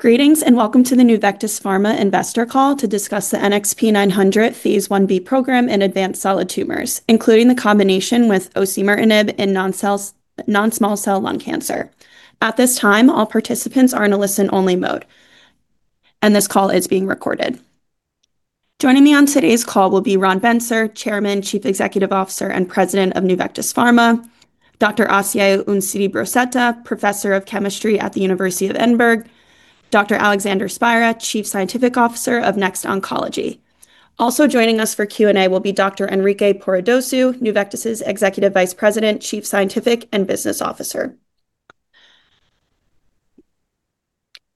Greetings and welcome to the Nuvectis Pharma investor call to discuss the NXP900 phase 1b program in advanced solid tumors, including the combination with osimertinib in non-small cell lung cancer. At this time, all participants are in a listen-only mode, and this call is being recorded. Joining me on today's call will be Ron Bentsur, Chairman, Chief Executive Officer, and President of Nuvectis Pharma; Dr. Asier Unciti-Broceta, Professor of Chemistry at the University of Edinburgh; Dr. Alexander Spira, Chief Scientific Officer of Next Oncology. Also joining us for Q&A will be Dr. Enrique Poradosu, Nuvectis' Executive Vice President, Chief Scientific and Business Officer.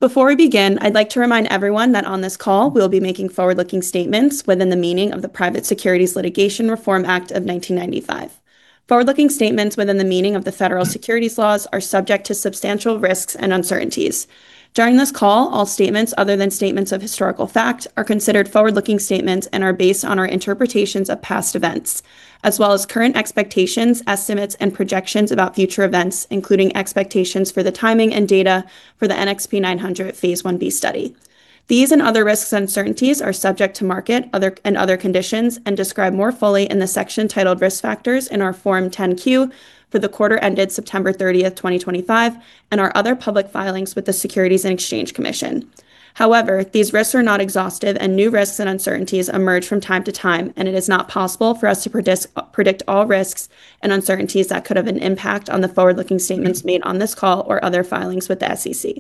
Before we begin, I'd like to remind everyone that on this call, we'll be making forward-looking statements within the meaning of the Private Securities Litigation Reform Act of 1995. Forward-looking statements within the meaning of the federal securities laws are subject to substantial risks and uncertainties. During this call, all statements other than statements of historical fact are considered forward-looking statements and are based on our interpretations of past events, as well as current expectations, estimates, and projections about future events, including expectations for the timing and data for the NXP900 phase 1b study. These and other risks and uncertainties are subject to market and other conditions and described more fully in the section titled Risk Factors in our Form 10-Q for the quarter ended September 30th, 2025, and our other public filings with the Securities and Exchange Commission. However, these risks are not exhaustive, and new risks and uncertainties emerge from time to time, and it is not possible for us to predict all risks and uncertainties that could have an impact on the forward-looking statements made on this call or other filings with the SEC.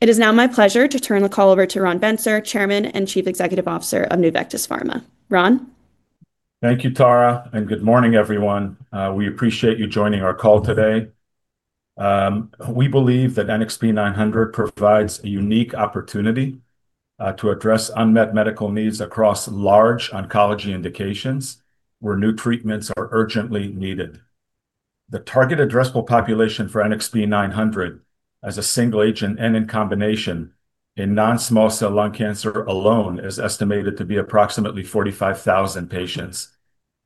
It is now my pleasure to turn the call over to Ron Bentsur, Chairman and Chief Executive Officer of Nuvectis Pharma. Ron? Thank you, Tara, and good morning, everyone. We appreciate you joining our call today. We believe that NXP900 provides a unique opportunity to address unmet medical needs across large oncology indications where new treatments are urgently needed. The target addressable population for NXP900, as a single agent and in combination in non-small cell lung cancer alone, is estimated to be approximately 45,000 patients.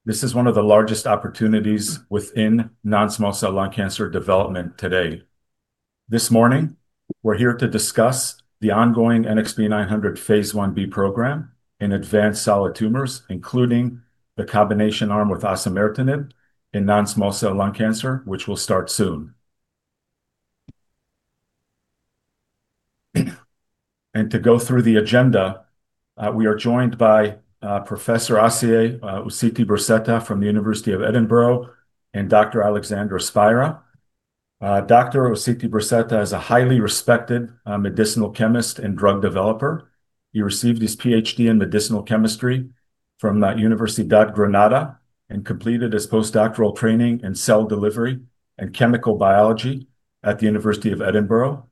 This is one of the largest opportunities within non-small cell lung cancer development today. This morning, we're here to discuss the ongoing NXP900 phase 1b program in advanced solid tumors, including the combination arm with osimertinib in non-small cell lung cancer, which will start soon. To go through the agenda, we are joined by Professor Asier Unciti-Broceta from the University of Edinburgh and Dr. Alexander Spira. Dr. Unciti-Broceta is a highly respected medicinal chemist and drug developer. He received his PhD in medicinal chemistry from the University of Granada and completed his postdoctoral training in cell delivery and chemical biology at the University of Edinburgh.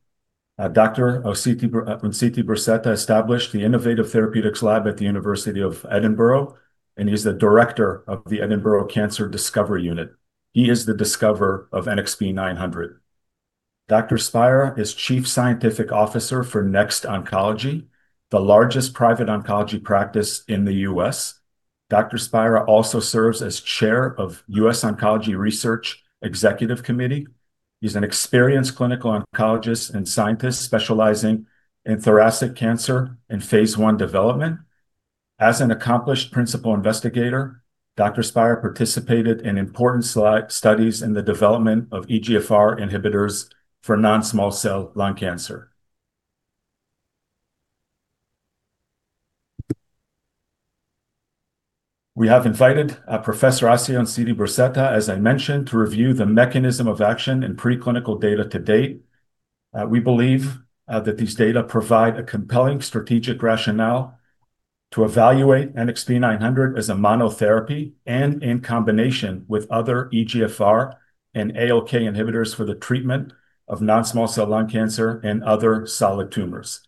Dr. Asier Unciti-Broceta established the Innovative Therapeutics Lab at the University of Edinburgh, and he's the director of the Edinburgh Cancer Discovery Unit. He is the discoverer of NXP900. Dr. Spira is Chief Scientific Officer for Next Oncology, the largest private oncology practice in the U.S. Dr. Spira also serves as Chair of the U.S. Oncology Research Executive Committee. He's an experienced clinical oncologist and scientist specializing in thoracic cancer and phase I development. As an accomplished principal investigator, Dr. Spira participated in important studies in the development of EGFR inhibitors for non-small cell lung cancer. We have invited Professor Asier Unciti-Broceta, as I mentioned, to review the mechanism of action and preclinical data to date. We believe that these data provide a compelling strategic rationale to evaluate NXP900 as a monotherapy and in combination with other EGFR and ALK inhibitors for the treatment of non-small cell lung cancer and other solid tumors.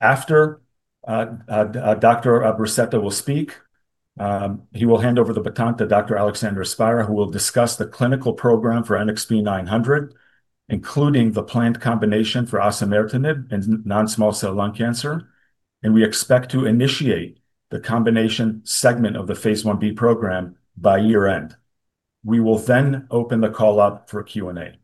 After Dr. Unciti-Broceta will speak, he will hand over the baton to Dr. Alexander Spira, who will discuss the clinical program for NXP900, including the planned combination for osimertinib in non-small cell lung cancer, and we expect to initiate the combination segment of the phase 1b program by year-end. We will then open the call up for Q&A.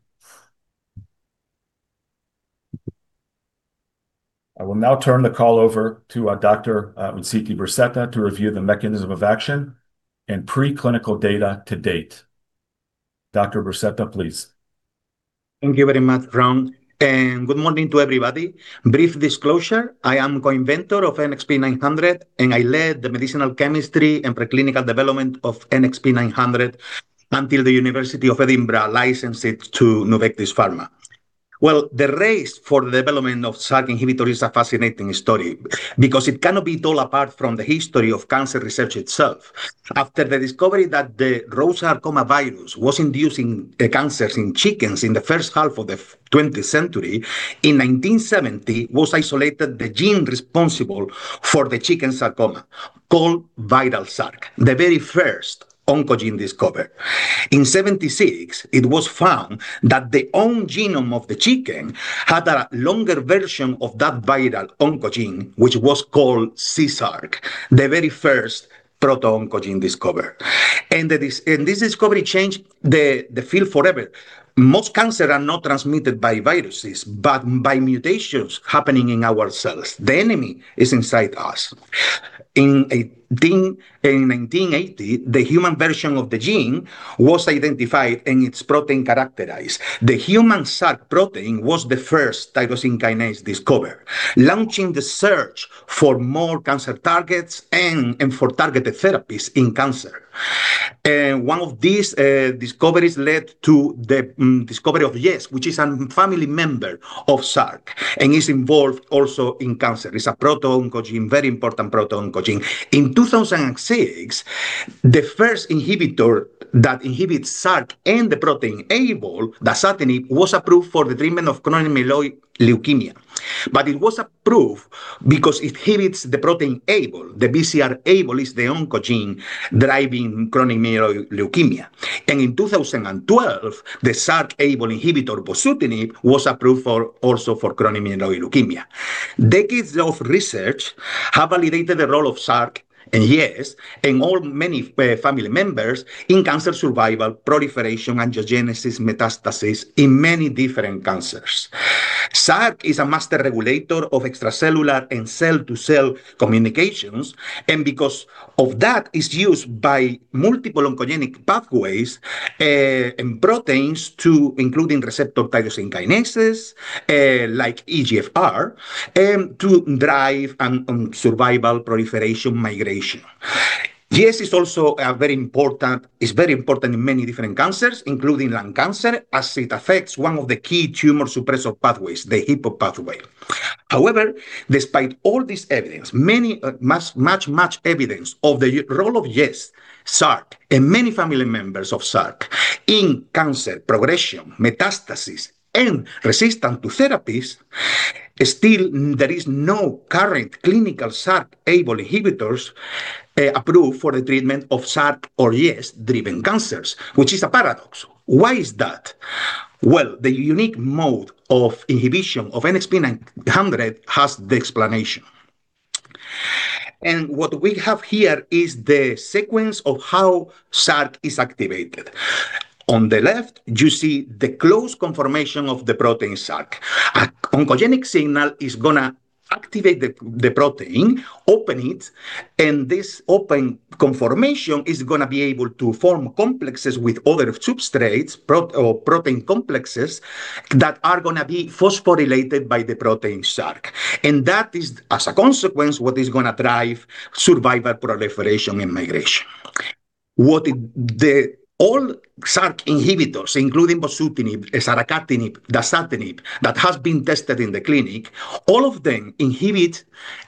I will now turn the call over to Dr. Unciti-Broceta to review the mechanism of action and preclinical data to date. Dr. Unciti-Broceta, please. Thank you very much, Ron. And good morning to everybody. Brief disclosure: I am co-inventor of NXP900, and I led the medicinal chemistry and preclinical development of NXP900 until the University of Edinburgh licensed it to Nuvectis Pharma. The race for the development of Src inhibitors is a fascinating story because it cannot be told apart from the history of cancer research itself. After the discovery that the Rous sarcoma virus was inducing cancers in chickens in the first half of the 20th century, in 1970, the gene responsible for the chicken sarcoma was isolated, called viral Src, the very first oncogene discovered. In 1976, it was found that the genome of the chicken had a longer version of that viral oncogene, which was called c-Src, the very first proto-oncogene discovered. This discovery changed the field forever. Most cancers are not transmitted by viruses, but by mutations happening in our cells. The enemy is inside us. In 1980, the human version of the gene was identified, and its protein characterized. The human Src protein was the first tyrosine kinase discovered, launching the search for more cancer targets and for targeted therapies in cancer. One of these discoveries led to the discovery of YES1, which is a family member of Src and is involved also in cancer. It's a proto-oncogene, very important proto-oncogene. In 2006, the first inhibitor that inhibits Src and the protein Abl, the saracatinib, was approved for the treatment of chronic myeloid leukemia. It was approved because it inhibits the protein Abl; the BCR-ABL is the oncogene driving chronic myeloid leukemia. In 2012, the Src-Abl inhibitor bosutinib was approved also for chronic myeloid leukemia. Decades of research have validated the role of Src and Yes and all many family members in cancer survival, proliferation, and angiogenesis metastasis in many different cancers. Src is a master regulator of extracellular and cell-to-cell communications, and because of that, it's used by multiple oncogenic pathways and proteins, including receptor tyrosine kinases like EGFR, to drive survival, proliferation, and migration. Yes is also very important; it's very important in many different cancers, including lung cancer, as it affects one of the key tumor suppressor pathways, the Hippo pathway. However, despite all this evidence, many much, much evidence of the role of Yes, Src, and many family members of Src in cancer progression, metastasis, and resistance to therapies, still there is no current clinical Src-Abl inhibitors approved for the treatment of Src or Yes-driven cancers, which is a paradox. Why is that? The unique mode of inhibition of NXP900 has the explanation. What we have here is the sequence of how Src is activated. On the left, you see the closed conformation of the protein Src. An oncogenic signal is going to activate the protein, open it, and this open conformation is going to be able to form complexes with other substrates or protein complexes that are going to be phosphorylated by the protein Src. That is, as a consequence, what is going to drive survival, proliferation, and migration. All Src inhibitors, including bosutinib, saracatinib, dasatinib, that have been tested in the clinic, all of them inhibit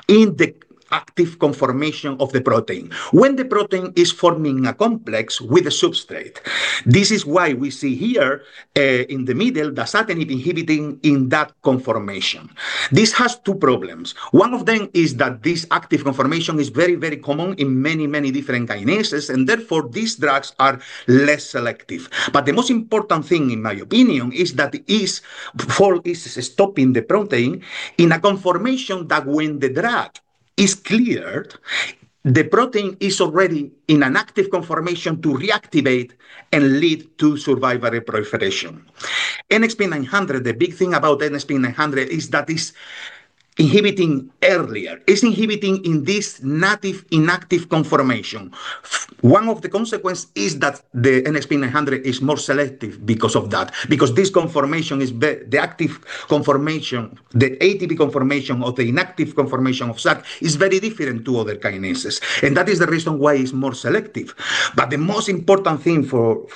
in the active conformation of the protein when the protein is forming a complex with a substrate. This is why we see here in the middle dasatinib inhibiting in that conformation. This has two problems. One of them is that this active conformation is very, very common in many, many different kinases, and therefore these drugs are less selective. The most important thing, in my opinion, is that it is stopping the protein in a conformation that when the drug is cleared, the protein is already in an active conformation to reactivate and lead to survivor proliferation. NXP900, the big thing about NXP900 is that it's inhibiting earlier. It's inhibiting in this native inactive conformation. One of the consequences is that the NXP900 is more selective because of that, because this conformation is the active conformation, the ATP conformation of the inactive conformation of Src is very different from other kinases. That is the reason why it's more selective. The most important thing for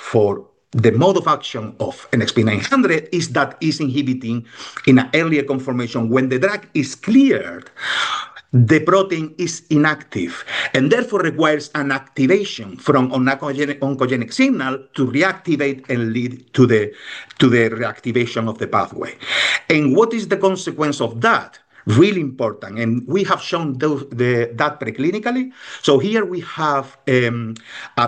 the mode of action of NXP900 is that it's inhibiting in an earlier conformation. When the drug is cleared, the protein is inactive and therefore requires an activation from an oncogenic signal to reactivate and lead to the reactivation of the pathway. What is the consequence of that? Really important. We have shown that preclinically. Here we have a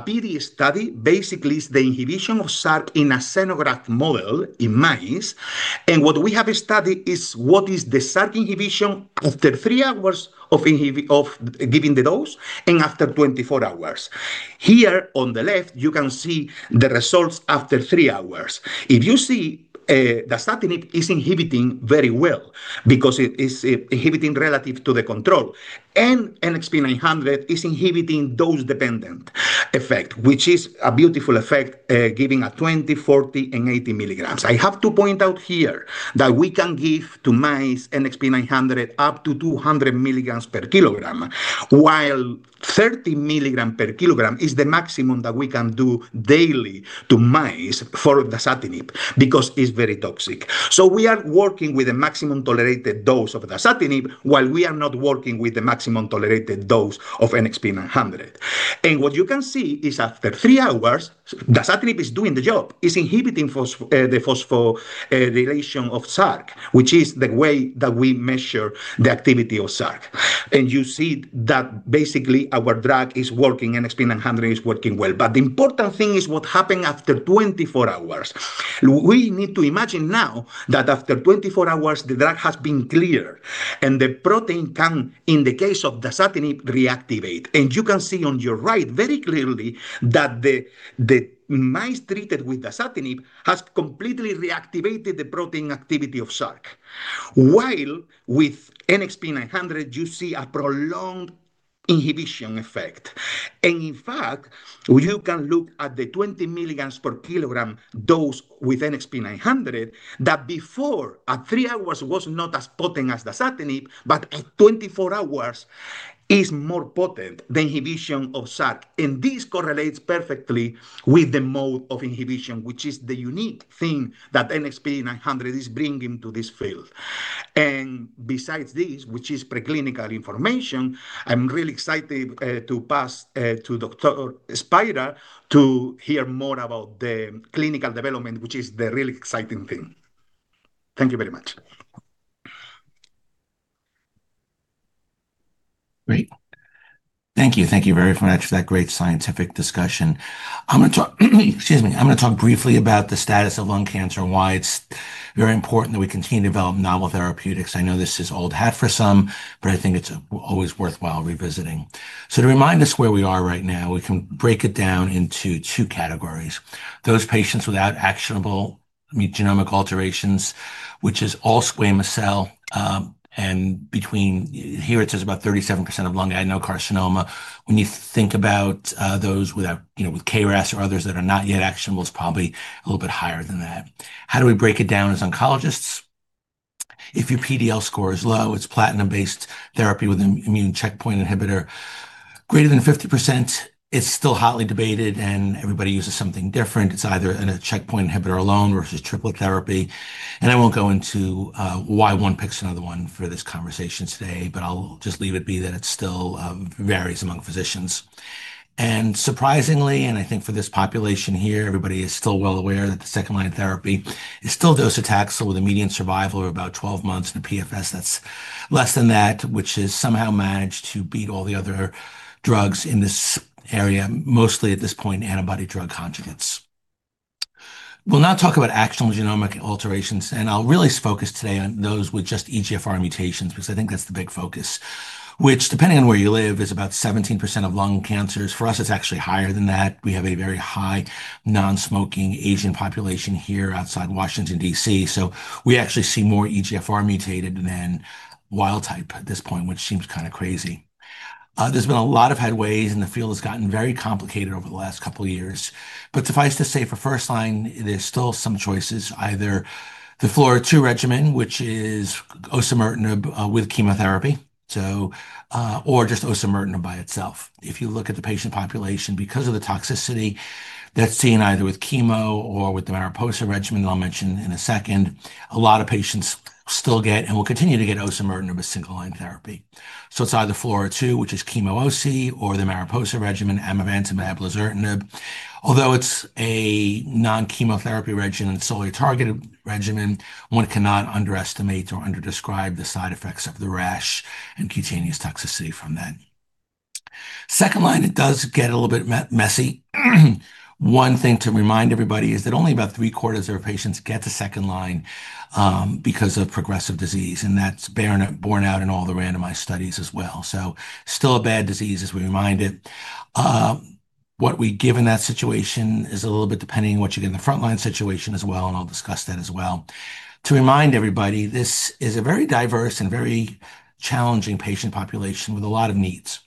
PD study. Basically, it is the inhibition of Src in a xenograft model in mice. What we have studied is what is the Src inhibition after three hours of giving the dose and after 24 hours. Here on the left, you can see the results after three hours. If you see, dasatinib is inhibiting very well because it is inhibiting relative to the control, and NXP900 is inhibiting dose-dependent effect, which is a beautiful effect giving at 20, 40, and 80 milligrams. I have to point out here that we can give to mice NXP900 up to 200 milligrams per kilogram, while 30 milligrams per kilogram is the maximum that we can do daily to mice for dasatinib because it's very toxic. We are working with the maximum tolerated dose of dasatinib while we are not working with the maximum tolerated dose of NXP900. What you can see is after three hours, dasatinib is doing the job. It's inhibiting the phosphorylation of Src, which is the way that we measure the activity of Src. You see that basically our drug is working, NXP900 is working well. The important thing is what happened after 24 hours. We need to imagine now that after 24 hours, the drug has been cleared and the protein can, in the case of dasatinib, reactivate. You can see on your right very clearly that the mice treated with dasatinib have completely reactivated the protein activity of Src, while with NXP900, you see a prolonged inhibition effect. In fact, you can look at the 20 milligrams per kilogram dose with NXP900 that before at three hours was not as potent as dasatinib, but at 24 hours is more potent than inhibition of Src. This correlates perfectly with the mode of inhibition, which is the unique thing that NXP900 is bringing to this field. Besides this, which is preclinical information, I'm really excited to pass to Dr. Spira to hear more about the clinical development, which is the really exciting thing. Thank you very much. Great. Thank you. Thank you very much for that great scientific discussion. I'm going to talk, excuse me, I'm going to talk briefly about the status of lung cancer and why it's very important that we continue to develop novel therapeutics. I know this is old hat for some, but I think it's always worthwhile revisiting. To remind us where we are right now, we can break it down into two categories: those patients without actionable genomic alterations, which is all squamous cell, and between here it says about 37% of lung adenocarcinoma. When you think about those with KRAS or others that are not yet actionable, it's probably a little bit higher than that. How do we break it down as oncologists? If your PD-L1 score is low, it's platinum-based therapy with an immune checkpoint inhibitor. Greater than 50%, it's still hotly debated, and everybody uses something different. It's either a checkpoint inhibitor alone versus triple therapy. I won't go into why one picks another one for this conversation today, but I'll just leave it be that it still varies among physicians. Surprisingly, and I think for this population here, everybody is still well aware that the second-line therapy is still docetaxel, with a median survival of about 12 months and a PFS that's less than that, which has somehow managed to beat all the other drugs in this area, mostly at this point antibody-drug conjugates. We'll now talk about actionable genomic alterations, and I'll really focus today on those with just EGFR mutations because I think that's the big focus, which, depending on where you live, is about 17% of lung cancers. For us, it's actually higher than that. We have a very high non-smoking Asian population here outside Washington, D.C., so we actually see more EGFR mutated than wild-type at this point, which seems kind of crazy. There has been a lot of headway, and the field has gotten very complicated over the last couple of years. Suffice to say, for first-line, there are still some choices: either the FLAURA2 regimen, which is osimertinib with chemotherapy, or just osimertinib by itself. If you look at the patient population because of the toxicity that is seen either with chemo or with the MARIPOSA regimen that I will mention in a second, a lot of patients still get and will continue to get osimertinib as single-line therapy. It is either FLAURA2, which is chemo + osimertinib, or the MARIPOSA regimen, amivantamab, lazertinib. Although it's a non-chemotherapy regimen and solely a targeted regimen, one cannot underestimate or under-describe the side effects of the rash and cutaneous toxicity from that. Second-line, it does get a little bit messy. One thing to remind everybody is that only about three-quarters of our patients get to second-line because of progressive disease, and that's borne out in all the randomized studies as well. Still a bad disease, as we remind it. What we give in that situation is a little bit depending on what you get in the front-line situation as well, and I'll discuss that as well. To remind everybody, this is a very diverse and very challenging patient population with a lot of needs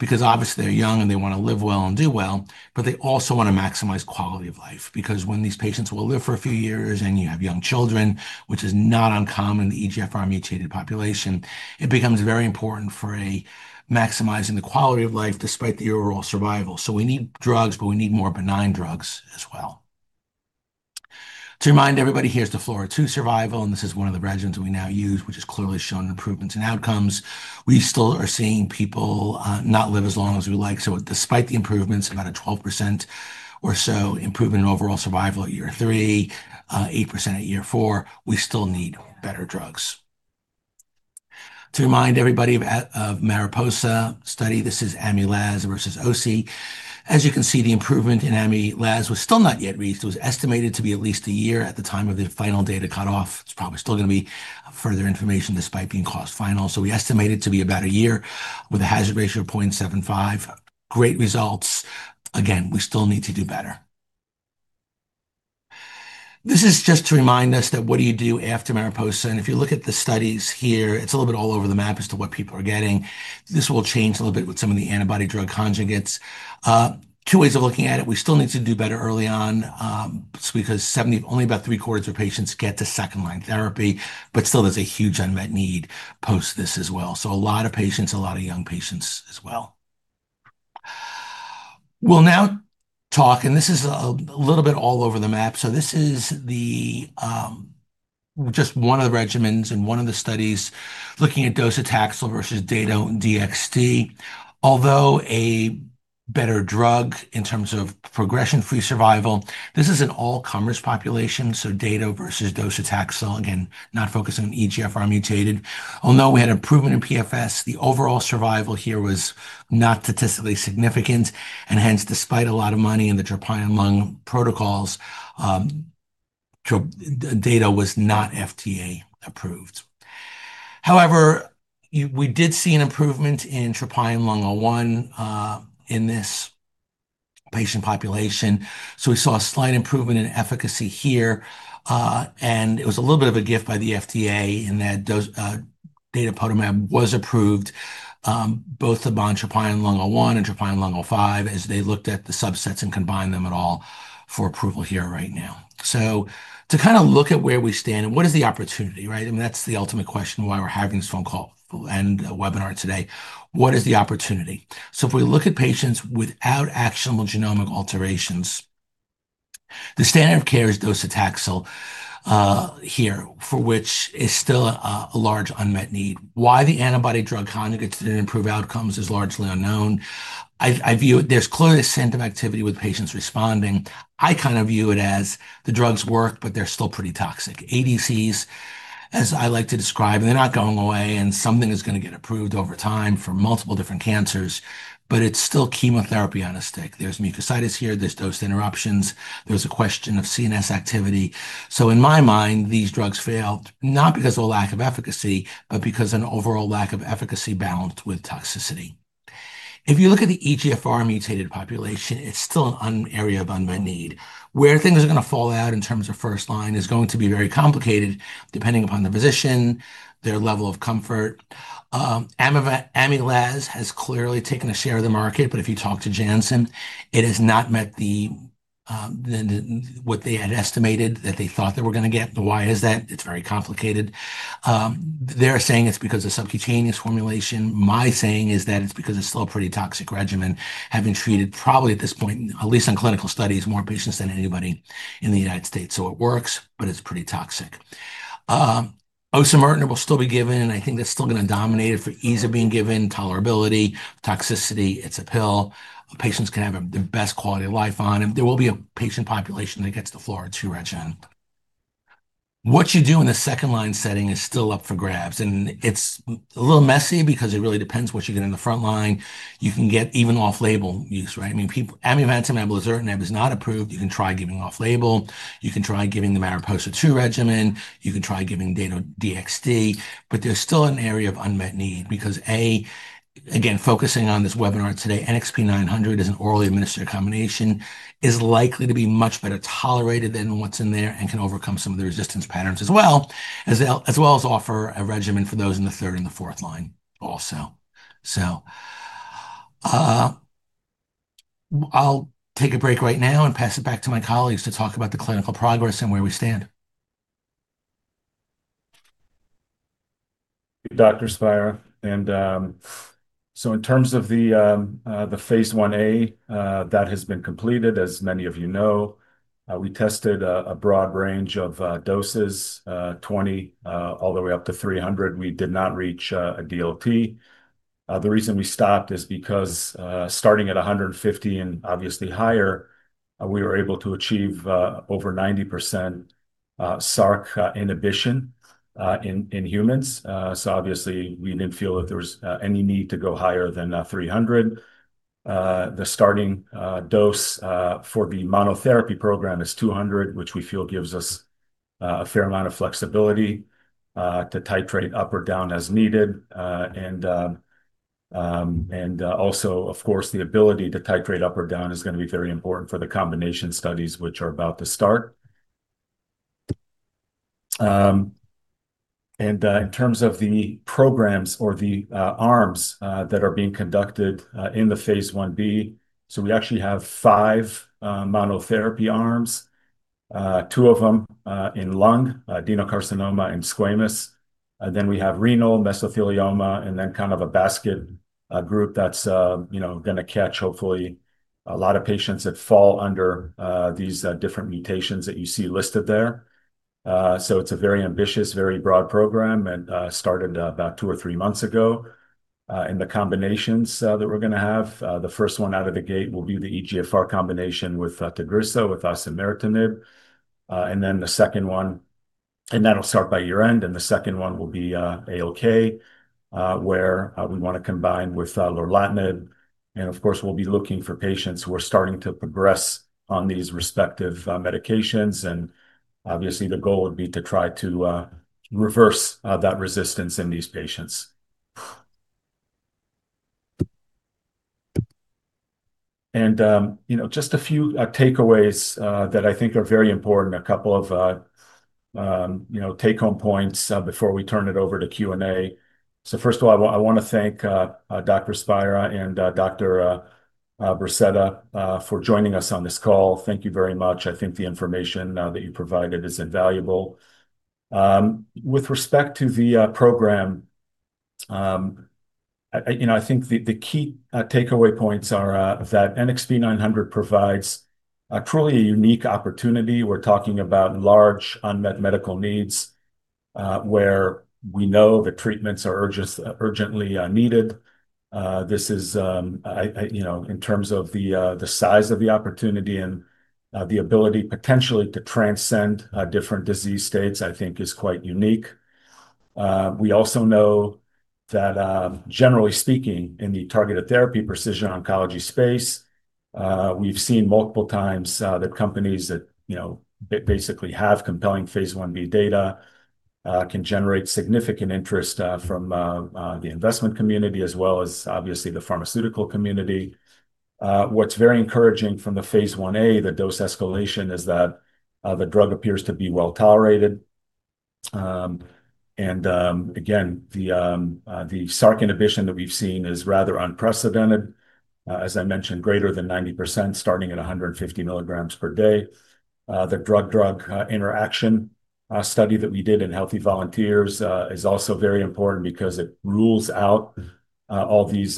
because obviously they're young and they want to live well and do well, but they also want to maximize quality of life because when these patients will live for a few years and you have young children, which is not uncommon in the EGFR-mutated population, it becomes very important for maximizing the quality of life despite the overall survival. We need drugs, but we need more benign drugs as well. To remind everybody, here's the FLAURA2 survival, and this is one of the regimens we now use, which has clearly shown improvements in outcomes. We still are seeing people not live as long as we like. Despite the improvements, about a 12% or so improvement in overall survival at year three, 8% at year four, we still need better drugs. To remind everybody of MARIPOSA study, this is amivantamab versus Osi. As you can see, the improvement in amivantamab was still not yet reached. It was estimated to be at least a year at the time of the final data cutoff. It's probably still going to be further information despite being called final. We estimate it to be about a year with a hazard ratio of 0.75. Great results. Again, we still need to do better. This is just to remind us that what do you do after MARIPOSA? If you look at the studies here, it's a little bit all over the map as to what people are getting. This will change a little bit with some of the antibody-drug conjugates. Two ways of looking at it: we still need to do better early on because only about three-quarters of patients get to second-line therapy, but still there's a huge unmet need post this as well. A lot of patients, a lot of young patients as well. We'll now talk, and this is a little bit all over the map. This is just one of the regimens and one of the studies looking at docetaxel versus Dato-DXd. Although a better drug in terms of progression-free survival, this is an all-comers population. Dato-DXd versus docetaxel, again, not fOsiusing on EGFR-mutated. Although we had improvement in PFS, the overall survival here was not statistically significant. Hence, despite a lot of money in the TROPION-Lung protocols, Dato-DXd was not FDA approved. However, we did see an improvement in TROPION-Lung01 in this patient population. We saw a slight improvement in efficacy here. It was a little bit of a gift by the FDA in that Dato-DXd, patritumab deruxtecan was approved, both the TROPION-Lung01 and TROPION-Lung05 as they looked at the subsets and combined them at all for approval here right now. To kind of look at where we stand and what is the opportunity, right? I mean, that's the ultimate question why we're having this phone call and webinar today. What is the opportunity? If we look at patients without actionable genomic alterations, the standard of care is docetaxel, which is still a large unmet need. Why the antibody-drug conjugates did not improve outcomes is largely unknown. I view it there's clearly a signal of activity with patients responding. I kind of view it as the drugs work, but they're still pretty toxic. ADCs, as I like to describe, and they're not going away, and something is going to get approved over time for multiple different cancers, but it's still chemotherapy on a stick. There's mucositis here. There's dose interruptions. There's a question of CNS activity. In my mind, these drugs failed not because of a lack of efficacy, but because of an overall lack of efficacy balanced with toxicity. If you look at the EGFR-mutated population, it's still an area of unmet need. Where things are going to fall out in terms of first-line is going to be very complicated depending upon the physician, their level of comfort. Amivantamab has clearly taken a share of the market, but if you talk to Janssen, it has not met what they had estimated that they thought they were going to get. Why is that? It's very complicated. They're saying it's because of subcutaneous formulation. My saying is that it's because it's still a pretty toxic regimen, having treated probably at this point, at least on clinical studies, more patients than anybody in the United States. It works, but it's pretty toxic. Osimertinib will still be given, and I think that's still going to dominate it for ease of being given, tolerability, toxicity. It's a pill. Patients can have the best quality of life on it. There will be a patient population that gets the FLAURA2 regimen. What you do in the second-line setting is still up for grabs. It's a little messy because it really depends what you get in the front line. You can get even off-label use, right? I mean, amivantamab, lazertinib is not approved. You can try giving off-label. You can try giving the MARIPOSA-2 regimen. You can try giving Dato-DXd, but there's still an area of unmet need because, again, focusing on this webinar today, NXP900 as an orally administered combination is likely to be much better tolerated than what's in there and can overcome some of the resistance patterns as well, as well as offer a regimen for those in the third and the fourth line also. I'll take a break right now and pass it back to my colleagues to talk about the clinical progress and where we stand. In terms of the phase 1a, that has been completed, as many of you know, we tested a broad range of doses, 20 all the way up to 300. We did not reach a dose-limiting toxicity. The reason we stopped is because starting at 150 and obviously higher, we were able to achieve over 90% Src inhibition in humans. Obviously, we did not feel that there was any need to go higher than 300. The starting dose for the monotherapy program is 200, which we feel gives us a fair amount of flexibility to titrate up or down as needed. Also, of course, the ability to titrate up or down is going to be very important for the combination studies, which are about to start. In terms of the programs or the arms that are being conducted in the phase 1b, we actually have five monotherapy arms, two of them in lung, adenocarcinoma and squamous. We have renal, mesothelioma, and then kind of a basket group that's going to catch hopefully a lot of patients that fall under these different mutations that you see listed there. It is a very ambitious, very broad program and started about two or three months ago. The combinations that we're going to have, the first one out of the gate will be the EGFR combination with Tagrisso with osimertinib. That will start by year-end, and the second one will be ALK where we want to combine with lorlatinib. Of course, we'll be looking for patients who are starting to progress on these respective medications. Obviously, the goal would be to try to reverse that resistance in these patients. Just a few takeaways that I think are very important, a couple of take-home points before we turn it over to Q&A. First of all, I want to thank Dr. Spira and Dr. Unciti-Broceta for joining us on this call. Thank you very much. I think the information that you provided is invaluable. With respect to the program, I think the key takeaway points are that NXP900 provides truly a unique opportunity. We're talking about large unmet medical needs where we know the treatments are urgently needed. This is, in terms of the size of the opportunity and the ability potentially to transcend different disease states, I think is quite unique. We also know that, generally speaking, in the targeted therapy precision oncology space, we've seen multiple times that companies that basically have compelling phase 1b data can generate significant interest from the investment community as well as obviously the pharmaceutical community. What's very encouraging from the phase 1a, the dose escalation, is that the drug appears to be well tolerated. Again, the Src inhibition that we've seen is rather unprecedented. As I mentioned, greater than 90% starting at 150 milligrams per day. The drug-drug interaction study that we did in healthy volunteers is also very important because it rules out all these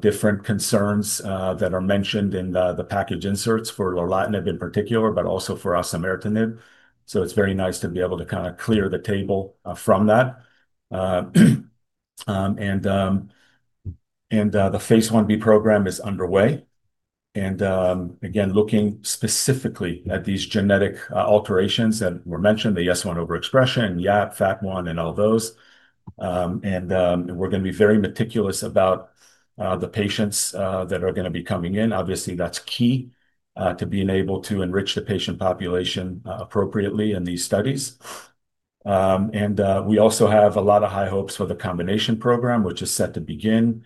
different concerns that are mentioned in the package inserts for lorlatinib in particular, but also for osimertinib. It is very nice to be able to kind of clear the table from that. The phase 1b program is underway. Again, looking specifically at these genetic alterations that were mentioned, the YES1 overexpression, YAP, FAT1, and all those. We are going to be very meticulous about the patients that are going to be coming in. Obviously, that is key to being able to enrich the patient population appropriately in these studies. We also have a lot of high hopes for the combination program, which is set to begin.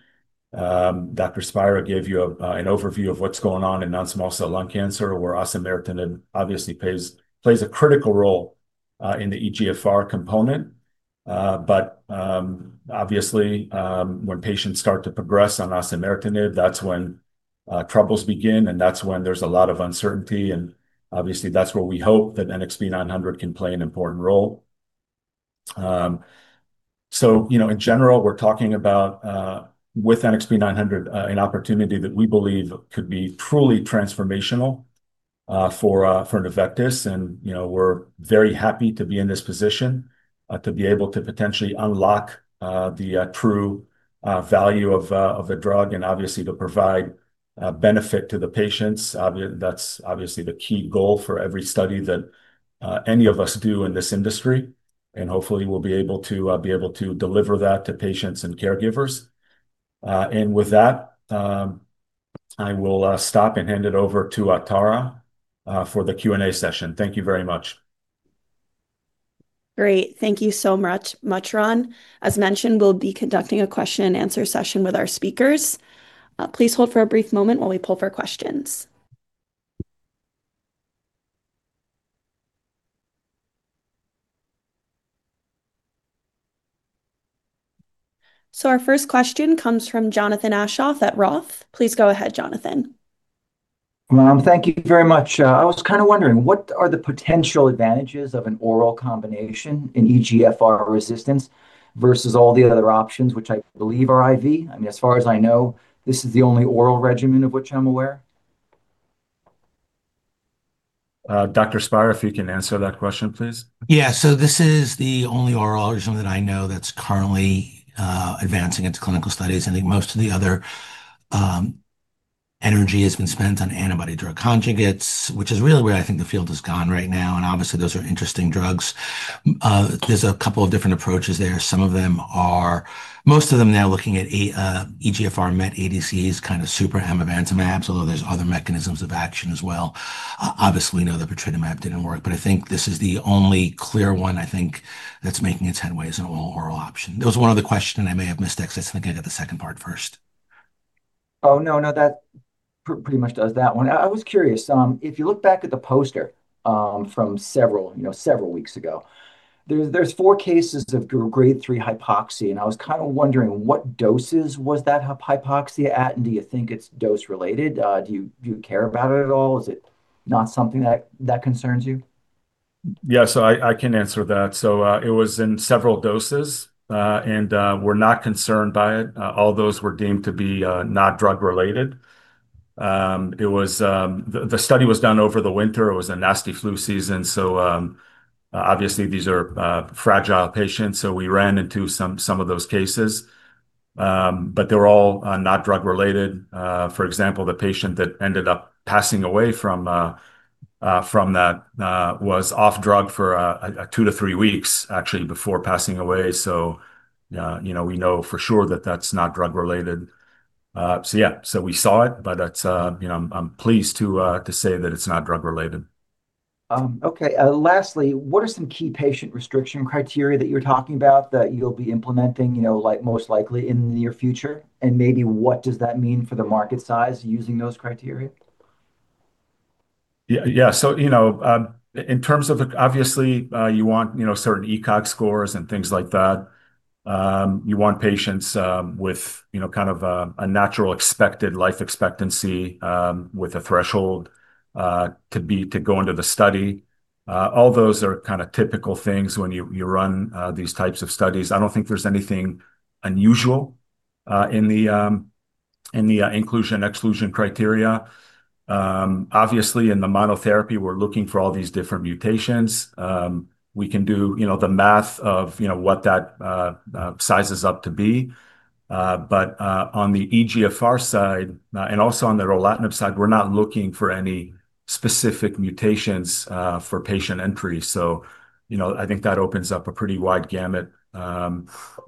Dr. Spira gave you an overview of what is going on in non-small cell lung cancer, where osimertinib obviously plays a critical role in the EGFR component. Obviously, when patients start to progress on osimertinib, that is when troubles begin, and that is when there is a lot of uncertainty. That is where we hope that NXP900 can play an important role. In general, we are talking about, with NXP900, an opportunity that we believe could be truly transformational for Nuvectis. We are very happy to be in this position to be able to potentially unlock the true value of the drug and obviously to provide benefit to the patients. That is obviously the key goal for every study that any of us do in this industry. Hopefully, we will be able to deliver that to patients and caregivers. With that, I will stop and hand it over to Tara for the Q&A session. Thank you very much. Great. Thank you so much, Ron. As mentioned, we will be conducting a question-and-answer session with our speakers. Please hold for a brief moment while we pull for questions. Our first question comes from Jonathan Aschoff at Roth. Please go ahead, Jonathan. Thank you very much. I was kind of wondering, what are the potential advantages of an oral combination in EGFR resistance versus all the other options, which I believe are IV? I mean, as far as I know, this is the only oral regimen of which I'm aware. Dr. Spira, if you can answer that question, please. Yeah. This is the only oral regimen that I know that's currently advancing into clinical studies. I think most of the other energy has been spent on antibody-drug conjugates, which is really where I think the field has gone right now. Obviously, those are interesting drugs. There's a couple of different approaches there. Some of them are, most of them now, looking at EGFR-MET ADCs, kind of super amivantamabs, although there's other mechanisms of action as well. Obviously, we know that patritumab deruxtecan didn't work, but I think this is the only clear one I think that's making its headway as an oral option. There was one other question, and I may have missed it, so I think I got the second part first. Oh, no, no, that pretty much does that one. I was curious. If you look back at the poster from several weeks ago, there's four cases of grade 3 hypoxia. I was kind of wondering, what doses was that hypoxia at? Do you think it's dose-related? Do you care about it at all? Is it not something that concerns you? Yeah. I can answer that. It was in several doses, and we're not concerned by it. All those were deemed to be not drug-related. The study was done over the winter. It was a nasty flu season. Obviously, these are fragile patients. We ran into some of those cases, but they were all not drug-related. For example, the patient that ended up passing away from that was off drug for two to three weeks, actually, before passing away. We know for sure that that's not drug-related. We saw it, but I'm pleased to say that it's not drug-related. Okay. Lastly, what are some key patient restriction criteria that you're talking about that you'll be implementing most likely in the near future? Maybe what does that mean for the market size using those criteria? Yeah. In terms of, obviously, you want certain ECOG scores and things like that. You want patients with kind of a natural expected life expectancy with a threshold to go into the study. All those are kind of typical things when you run these types of studies. I don't think there's anything unusual in the inclusion-exclusion criteria. Obviously, in the monotherapy, we're looking for all these different mutations. We can do the math of what that size is up to be. On the EGFR side and also on the lorlatinib side, we're not looking for any specific mutations for patient entry. I think that opens up a pretty wide gamut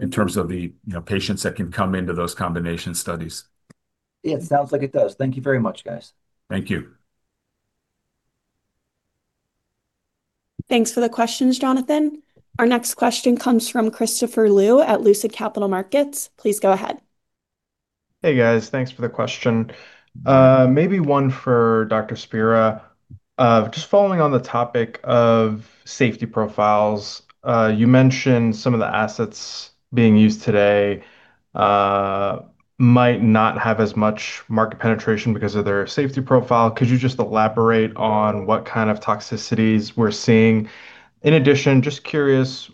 in terms of the patients that can come into those combination studies. Yeah, it sounds like it does. Thank you very much, guys. Thank you. Thanks for the questions, Jonathan. Our next question comes from Christopher Liu at Lucid Capital Markets. Please go ahead. Hey, guys. Thanks for the question. Maybe one for Dr. Spira. Just following on the topic of safety profiles, you mentioned some of the assets being used today might not have as much market penetration because of their safety profile. Could you just elaborate on what kind of toxicities we're seeing? In addition, just curious,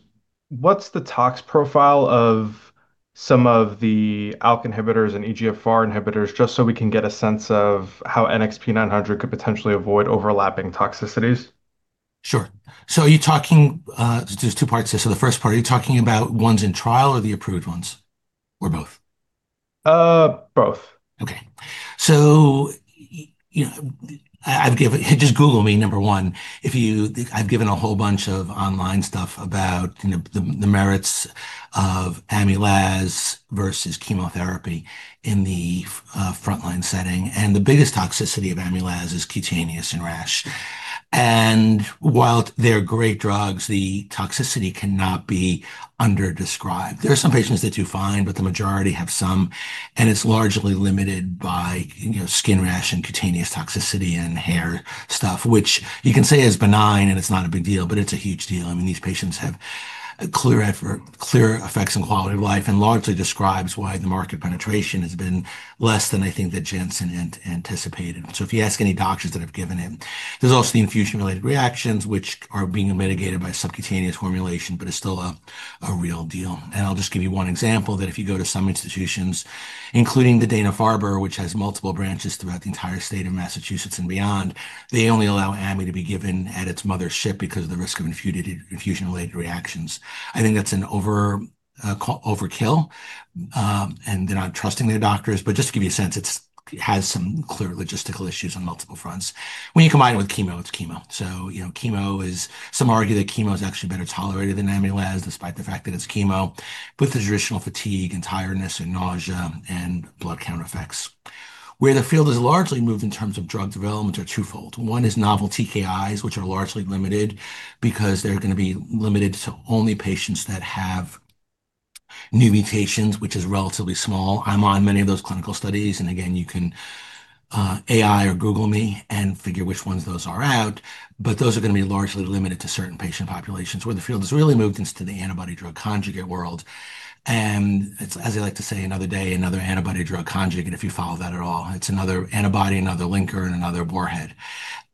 what's the tox profile of some of the ALK inhibitors and EGFR inhibitors just so we can get a sense of how NXP900 could potentially avoid overlapping toxicities? Sure. There are two parts here. The first part, are you talking about ones in trial or the approved ones or both? Both. Okay. Just Google me, number one. I've given a whole bunch of online stuff about the merits of amivantamab versus chemotherapy in the frontline setting. The biggest toxicity of amivantamab is cutaneous and rash. While they're great drugs, the toxicity cannot be underdescribed. There are some patients that do fine, but the majority have some. It's largely limited by skin rash and cutaneous toxicity and hair stuff, which you can say is benign and it's not a big deal, but it's a huge deal. I mean, these patients have clear effects and quality of life and largely describes why the market penetration has been less than I think that Janssen anticipated. If you ask any doctors that have given it, there's also the infusion-related reactions, which are being mitigated by subcutaneous formulation, but it's still a real deal. I'll just give you one example that if you go to some institutions, including the Dana-Farber Cancer Institute, which has multiple branches throughout the entire state of Massachusetts and beyond, they only allow amivantamab to be given at its mothership because of the risk of infusion-related reactions. I think that's an overkill. They're not trusting their doctors. Just to give you a sense, it has some clear logistical issues on multiple fronts. When you combine it with chemo, it's chemo. Some argue that chemo is actually better tolerated than amivantamab, despite the fact that it's chemo, with the traditional fatigue and tiredness and nausea and blood count effects. Where the field has largely moved in terms of drug development are twofold. One is novel TKIs, which are largely limited because they're going to be limited to only patients that have new mutations, which is relatively small. I'm on many of those clinical studies. Again, you can AI or Google me and figure which ones those are out. Those are going to be largely limited to certain patient populations where the field has really moved into the antibody-drug conjugate world. As I like to say, another day, another antibody-drug conjugate, if you follow that at all. It's another antibody, another linker, and another warhead.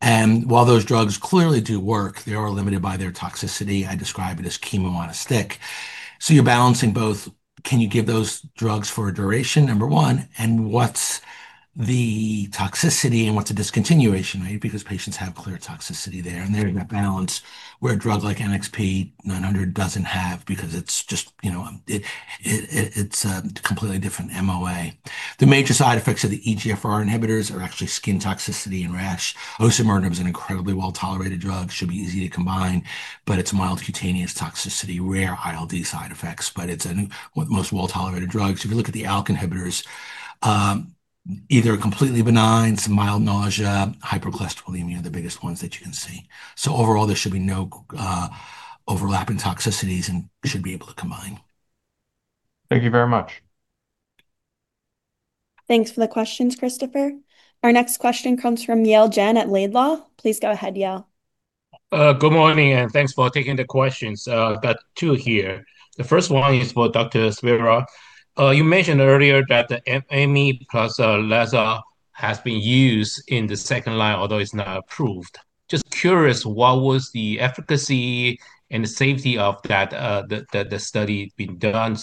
While those drugs clearly do work, they are limited by their toxicity. I describe it as chemo on a stick. You're balancing both, can you give those drugs for a duration, number one, and what's the toxicity and what's the discontinuation rate because patients have clear toxicity there. There's that balance where a drug like NXP900 doesn't have because it's just a completely different MOA. The major side effects of the EGFR inhibitors are actually skin toxicity and rash. Osimertinib is an incredibly well-tolerated drug. It should be easy to combine, but its mild cutaneous toxicity, rare interstitial lung disease side effects, but it is one of the most well-tolerated drugs. If you look at the ALK inhibitors, either completely benign, some mild nausea, hypercholesterolemia are the biggest ones that you can see. Overall, there should be no overlapping toxicities and should be able to combine. Thank you very much. Thanks for the questions, Christopher. Our next question comes from Yale Jen at Laidlaw. Please go ahead, Yale. Good morning, and thanks for taking the questions. I've got two here. The first one is for Dr. Spira. You mentioned earlier that the Amy + Laza has been used in the second line, although it's not approved. Just curious, what was the efficacy and the safety of that study being done?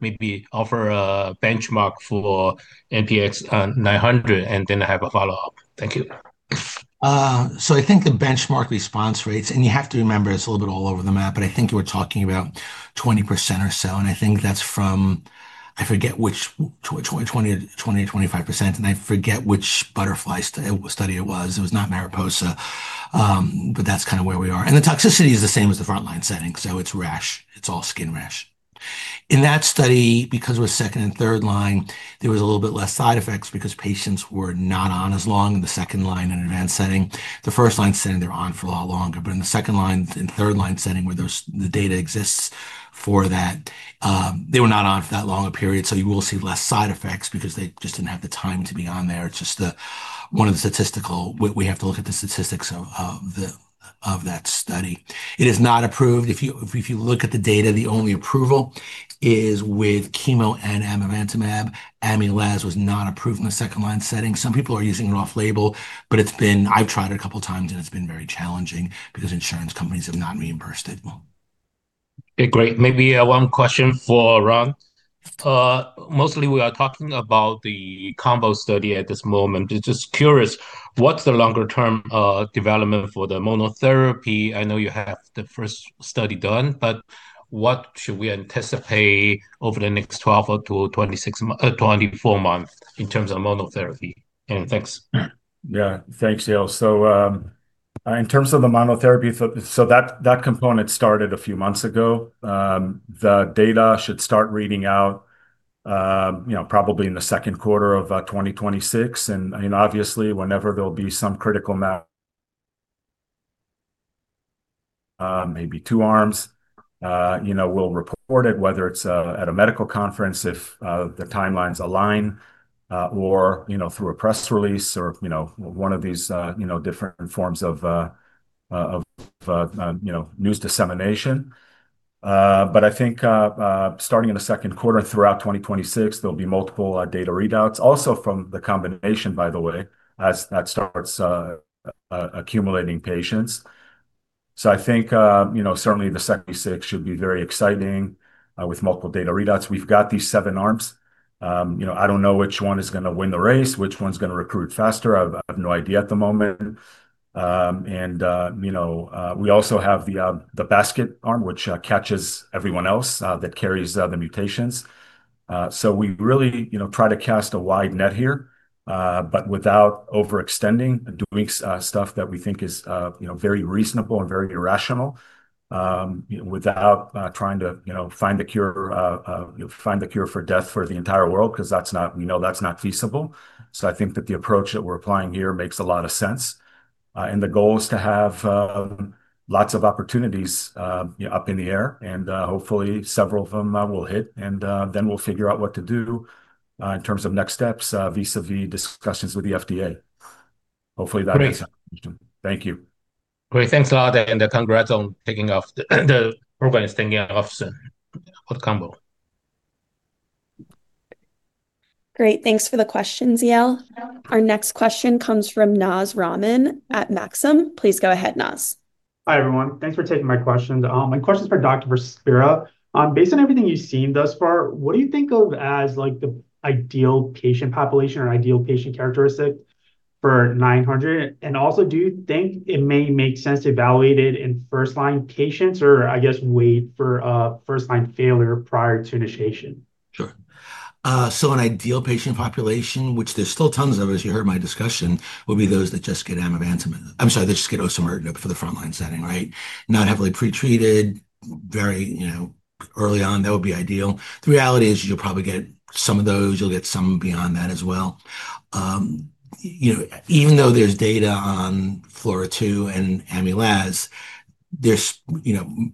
Maybe offer a benchmark for NXP900, and then I have a follow-up. Thank you. I think the benchmark response rates, and you have to remember it's a little bit all over the map, but I think you were talking about 20% or so. I think that's from, I forget which, 20%-25%, and I forget which butterfly study it was. It was not MARIPOSA, but that's kind of where we are. The toxicity is the same as the frontline setting. It's rash. It's all skin rash. In that study, because it was second and third line, there was a little bit less side effects because patients were not on as long in the second line in advanced setting. The first line setting, they're on for a lot longer. In the second line and third line setting, where the data exists for that, they were not on for that long a period. You will see less side effects because they just didn't have the time to be on there. It's just one of the statistical, we have to look at the statistics of that study. It is not approved. If you look at the data, the only approval is with chemo and amivantamab. Amivantamab was not approved in the second line setting. Some people are using it off-label, but I've tried it a couple of times, and it's been very challenging because insurance companies have not reimbursed it. Okay. Great. Maybe one question for Ron. Mostly, we are talking about the combo study at this moment. Just curious, what's the longer-term development for the monotherapy? I know you have the first study done, but what should we anticipate over the next 12 months-24 months in terms of monotherapy? Thanks. Yeah. Thanks, Yale. In terms of the monotherapy, that component started a few months ago. The data should start reading out probably in the second quarter of 2026. Obviously, whenever there will be some critical, maybe two arms, we will report it, whether it is at a medical conference if the timelines align or through a press release or one of these different forms of news dissemination. I think starting in the second quarter throughout 2026, there will be multiple data readouts. Also from the combination, by the way, as that starts accumulating patients. I think certainly the second year should be very exciting with multiple data readouts. We have these seven arms. I do not know which one is going to win the race, which one is going to recruit faster. I have no idea at the moment. We also have the basket arm, which catches everyone else that carries the mutations. We really try to cast a wide net here, but without overextending and doing stuff that we think is very reasonable and very rational, without trying to find the cure for death for the entire world because we know that's not feasible. I think that the approach that we're applying here makes a lot of sense. The goal is to have lots of opportunities up in the air, and hopefully, several of them will hit. Then we'll figure out what to do in terms of next steps vis-à-vis discussions with the FDA. Hopefully, that makes sense. Thank you. Great. Thanks a lot. Congrats on taking off. The program is taking off soon with combo. Great. Thanks for the questions, Yale. Our next question comes from Naz Rahman at Maxim. Please go ahead, Naz. Hi everyone. Thanks for taking my questions. My question is for Dr. Spira. Based on everything you've seen thus far, what do you think of as the ideal patient population or ideal patient characteristic for 900? Also, do you think it may make sense to evaluate it in first-line patients or, I guess, wait for first-line failure prior to initiation? Sure. An ideal patient population, which there's still tons of, as you heard my discussion, would be those that just get amivantamab. I'm sorry, that just get osimertinib for the frontline setting, right? Not heavily pretreated, very early on, that would be ideal. The reality is you'll probably get some of those. You'll get some beyond that as well. Even though there's data on FLAURA2 and amivantamab,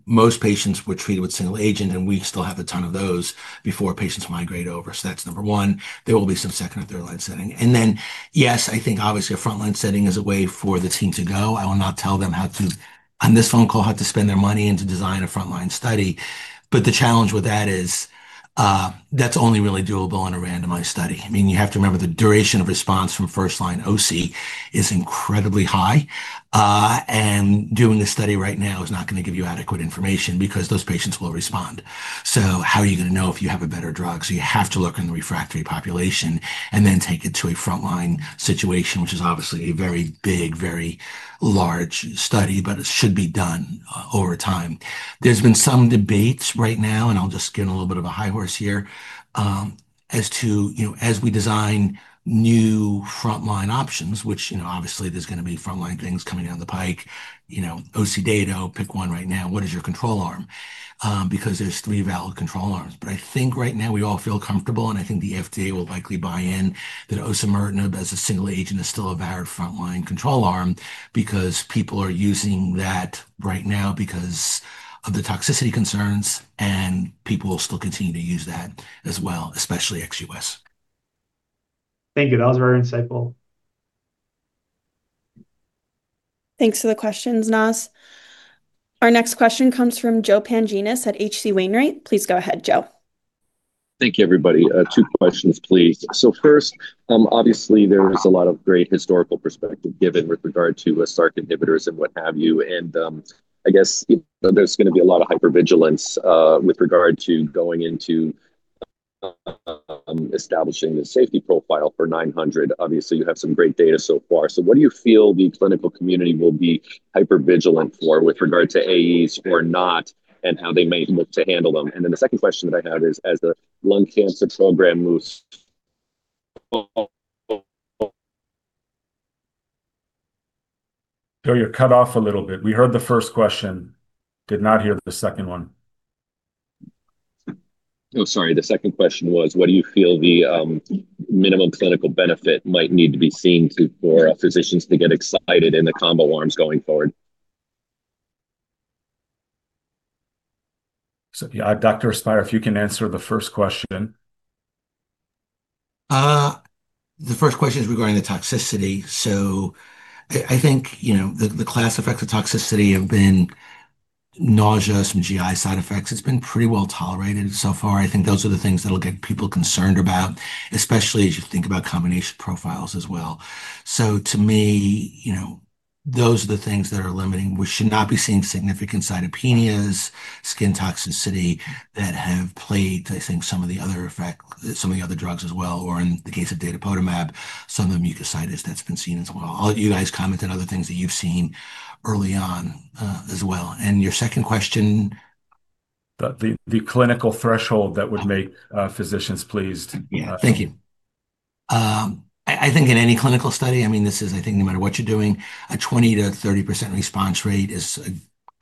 most patients were treated with single agent, and we still have a ton of those before patients migrate over. That's number one. There will be some second or third-line setting. Yes, I think obviously a frontline setting is a way for the team to go. I will not tell them how to, on this phone call, how to spend their money and to design a frontline study. The challenge with that is that's only really doable in a randomized study. I mean, you have to remember the duration of response from first-line Osi is incredibly high. Doing a study right now is not going to give you adequate information because those patients will respond. How are you going to know if you have a better drug? You have to look in the refractory population and then take it to a frontline situation, which is obviously a very big, very large study, but it should be done over time. There have been some debates right now, and I'll just get a little bit of a high horse here as to, as we design new frontline options, which obviously there's going to be frontline things coming down the pike, Osi data, pick one right now, what is your control arm? Because there are three valid control arms. I think right now we all feel comfortable, and I think the FDA will likely buy in that osimertinib as a single agent is still a valid frontline control arm because people are using that right now because of the toxicity concerns, and people will still continue to use that as well, especially XUS. Thank you. That was very insightful. Thanks for the questions, Naz. Our next question comes from Joseph Pantginis at H.C. Wainwright & Co. Please go ahead, Joseph. Thank you, everybody. Two questions, please. First, obviously, there is a lot of great historical perspective given with regard to Src inhibitors and what have you. I guess there is going to be a lot of hypervigilance with regard to going into establishing the safety profile for 900. Obviously, you have some great data so far. What do you feel the clinical community will be hypervigilant for with regard to AEs or not, and how they may look to handle them? The second question that I have is, as the lung cancer program moves. Joe, you're cut off a little bit. We heard the first question, did not hear the second one. Oh, sorry. The second question was, what do you feel the minimum clinical benefit might need to be seen for physicians to get excited in the combo arms going forward? Yeah. Dr. Spira, if you can answer the first question. The first question is regarding the toxicity. I think the class effects of toxicity have been nausea, some GI side effects. It's been pretty well tolerated so far. I think those are the things that'll get people concerned about, especially as you think about combination profiles as well. To me, those are the things that are limiting. We should not be seeing significant cytopenias, skin toxicity that have plagued, I think, some of the other effects, some of the other drugs as well, or in the case of datopotamab, some of the mucositis that's been seen as well. I'll let you guys comment on other things that you've seen early on as well. Your second question. The clinical threshold that would make physicians pleased. Yeah. Thank you. I think in any clinical study, I mean, this is, I think, no matter what you're doing, a 20%-30% response rate is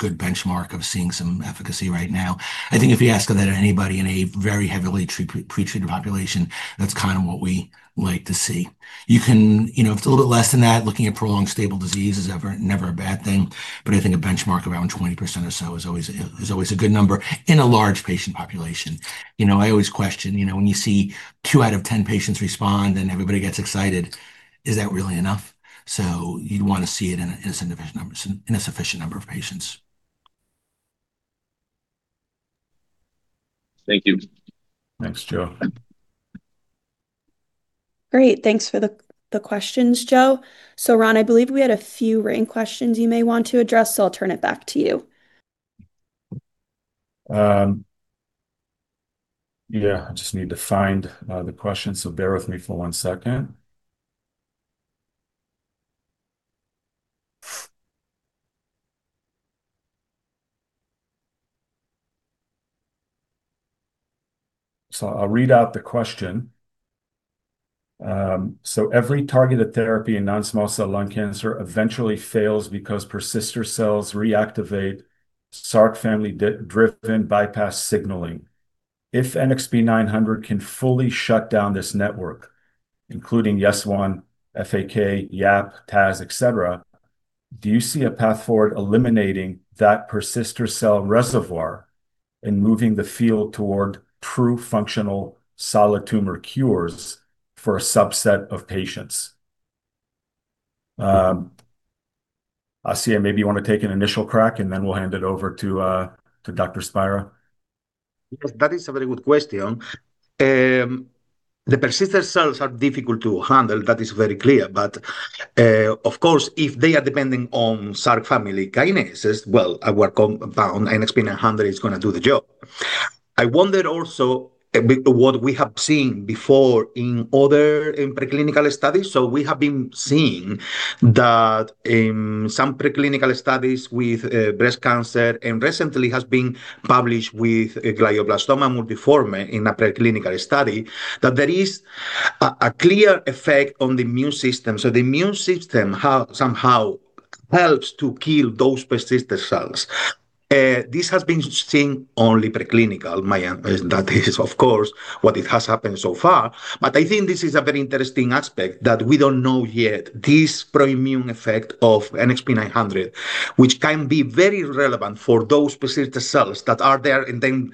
a good benchmark of seeing some efficacy right now. I think if you ask that of anybody in a very heavily pretreated population, that's kind of what we like to see. If it's a little bit less than that, looking at prolonged stable disease is never a bad thing. I think a benchmark around 20% or so is always a good number in a large patient population. I always question, when you see two out of 10 patients respond and everybody gets excited, is that really enough? You'd want to see it in a sufficient number of patients. Thank you. Thanks, Joe. Great. Thanks for the questions, Joe. Ron, I believe we had a few questions you may want to address, so I'll turn it back to you. Yeah. I just need to find the question. Bear with me for one second. I'll read out the question. Every targeted therapy in non-small cell lung cancer eventually fails because persister cells reactivate Src family-driven bypass signaling. If NXP900 can fully shut down this network, including YES1, FAK, YAP, TAZ, etc., do you see a path forward eliminating that persister cell reservoir and moving the field toward true functional solid tumor cures for a subset of patients? Asier, maybe you want to take an initial crack, and then we'll hand it over to Dr. Spira. Yes, that is a very good question. The persister cells are difficult to handle. That is very clear. Of course, if they are depending on Src family kinases, our NXP900 is going to do the job. I wonder also what we have seen before in other preclinical studies. We have been seeing that in some preclinical studies with breast cancer, and recently it has been published with glioblastoma multiforme in a preclinical study, that there is a clear effect on the immune system. The immune system somehow helps to kill those persister cells. This has been seen only preclinical. That is, of course, what has happened so far. I think this is a very interesting aspect that we do not know yet, this proimmune effect of NXP900, which can be very relevant for those persister cells that are there and then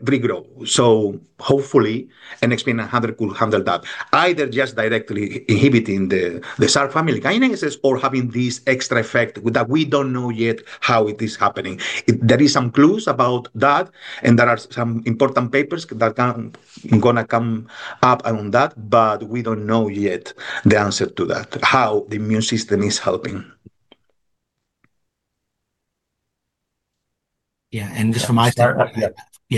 regrow. Hopefully, NXP900 could handle that, either just directly inhibiting the Src family kinases or having this extra effect that we do not know yet how it is happening. There are some clues about that, and there are some important papers that are going to come up on that, but we do not know yet the answer to that, how the immune system is helping. Yeah.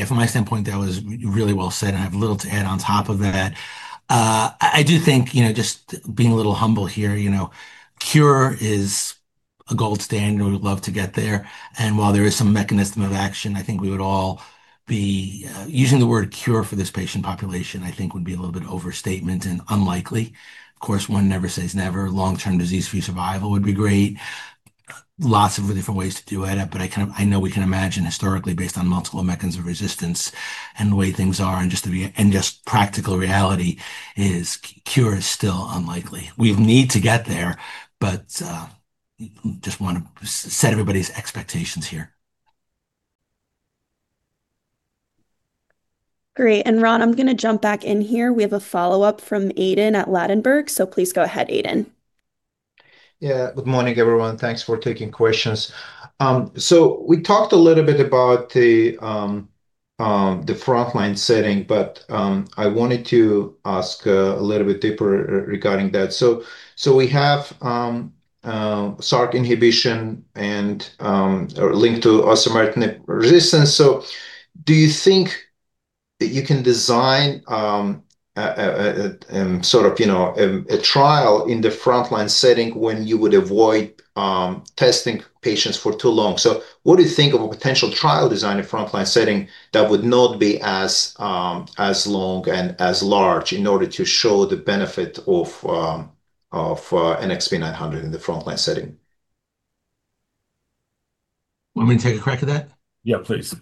From my standpoint, that was really well said, and I have little to add on top of that. I do think, just being a little humble here, cure is a gold standard. We would love to get there. While there is some mechanism of action, I think we would all be using the word cure for this patient population, I think would be a little bit of overstatement and unlikely. Of course, one never says never. Long-term disease-free survival would be great. Lots of different ways to do it. I know we can imagine historically, based on multiple mechanisms of resistance and the way things are, and just practical reality is cure is still unlikely. We need to get there, but just want to set everybody's expectations here. Great. Ron, I'm going to jump back in here. We have a follow-up from Aydin at Ladenburg. Please go ahead, Aydin. Yeah. Good morning, everyone. Thanks for taking questions. We talked a little bit about the frontline setting, but I wanted to ask a little bit deeper regarding that. We have Src inhibition and linked to osimertinib resistance. Do you think you can design sort of a trial in the frontline setting when you would avoid testing patients for too long? What do you think of a potential trial design in frontline setting that would not be as long and as large in order to show the benefit of NXP900 in the frontline setting? Want me to take a crack at that? Yeah, please.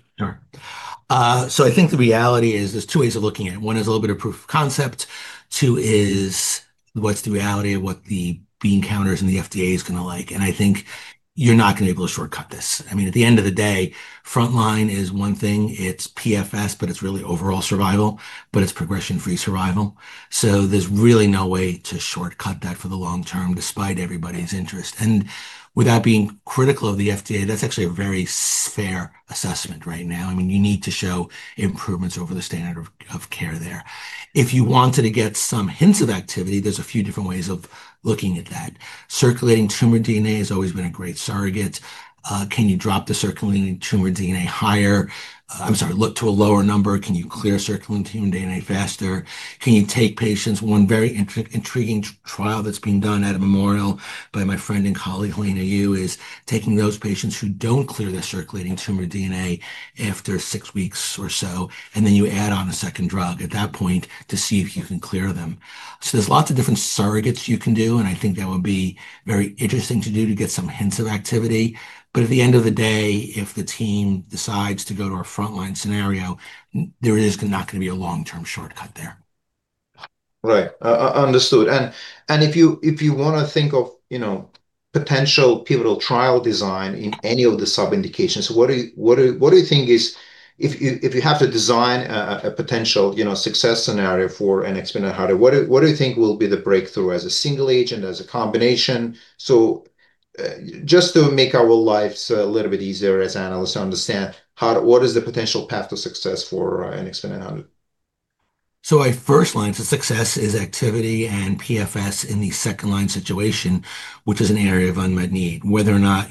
Sure. I think the reality is there's two ways of looking at it. One is a little bit of proof of concept. Two is what's the reality of what the bean counters and the FDA is going to like. I think you're not going to be able to shortcut this. I mean, at the end of the day, frontline is one thing. It's PFS, but it's really overall survival, but it's progression-free survival. There's really no way to shortcut that for the long term, despite everybody's interest. Without being critical of the FDA, that's actually a very fair assessment right now. I mean, you need to show improvements over the standard of care there. If you wanted to get some hints of activity, there's a few different ways of looking at that. Circulating tumor DNA has always been a great surrogate. Can you drop the circulating tumor DNA higher? I'm sorry, look to a lower number. Can you clear circulating tumor DNA faster? Can you take patients? One very intriguing trial that's been done at Memorial by my friend and colleague, Helena Yu, is taking those patients who don't clear their circulating tumor DNA after six weeks or so, and then you add on a second drug at that point to see if you can clear them. There are lots of different surrogates you can do, and I think that would be very interesting to do to get some hints of activity. At the end of the day, if the team decides to go to a frontline scenario, there is not going to be a long-term shortcut there. Right. Understood. If you want to think of potential pivotal trial design in any of the sub-indications, what do you think is, if you have to design a potential success scenario for NXP900, what do you think will be the breakthrough as a single agent, as a combination? Just to make our lives a little bit easier as analysts to understand, what is the potential path to success for NXP900? At first line, success is activity and PFS in the second-line situation, which is an area of unmet need. Whether or not,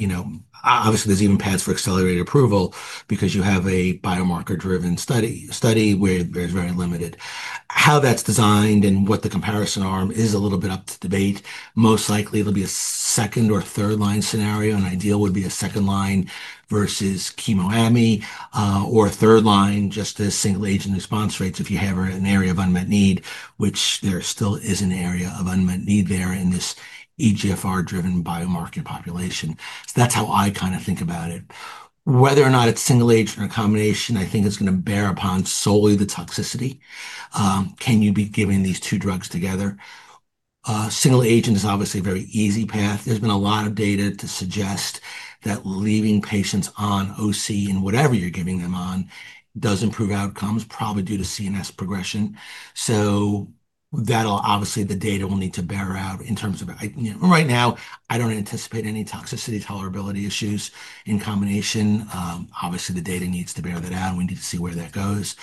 obviously, there's even paths for accelerated approval because you have a biomarker-driven study where there's very limited. How that's designed and what the comparison arm is a little bit up to debate. Most likely, it'll be a second or third-line scenario. An ideal would be a second-line versus chemo-Ami or third-line, just a single-agent response rates if you have an area of unmet need, which there still is an area of unmet need there in this EGFR-driven biomarker population. That's how I kind of think about it. Whether or not it's single-agent or a combination, I think it's going to bear upon solely the toxicity. Can you be giving these two drugs together? Single-agent is obviously a very easy path. There's been a lot of data to suggest that leaving patients on Osi in whatever you're giving them on does improve outcomes, probably due to CNS progression. Obviously, the data will need to bear out in terms of right now, I don't anticipate any toxicity tolerability issues in combination. Obviously, the data needs to bear that out. We need to see where that goes,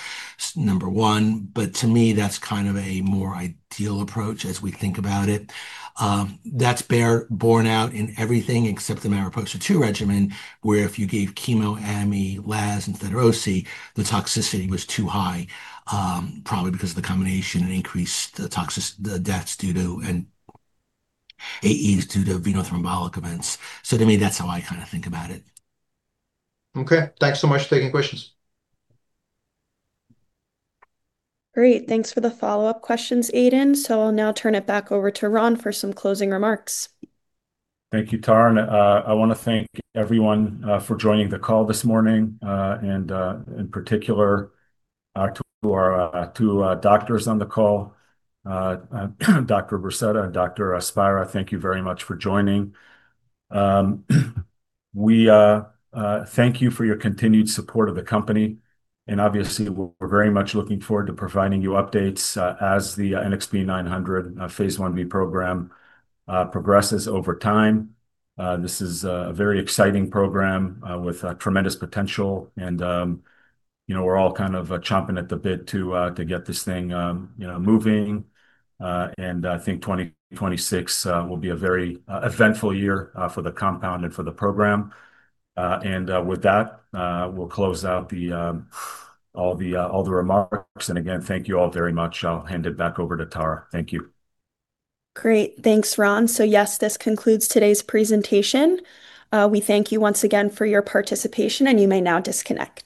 number one. To me, that's kind of a more ideal approach as we think about it. That's borne out in everything except the MARIPOSA-2 regimen, where if you gave chemo, amivantamab, lazertinib, and docetaxel, the toxicity was too high, probably because of the combination and increased deaths due to AEs due to venothrombotic events. To me, that's how I kind of think about it. Okay. Thanks so much for taking questions. Great. Thanks for the follow-up questions, Aydin. I'll now turn it back over to Ron for some closing remarks. Thank you, Tara. I want to thank everyone for joining the call this morning, and in particular, to our two doctors on the call, Dr. Unciti-Broceta and Dr. Spira. Thank you very much for joining. We thank you for your continued support of the company. Obviously, we're very much looking forward to providing you updates as the NXP900 phase 1b program progresses over time. This is a very exciting program with tremendous potential, and we're all kind of chomping at the bit to get this thing moving. I think 2026 will be a very eventful year for the compound and for the program. With that, we'll close out all the remarks. Again, thank you all very much. I'll hand it back over to Tara. Thank you. Great. Thanks, Ron. Yes, this concludes today's presentation. We thank you once again for your participation, and you may now disconnect.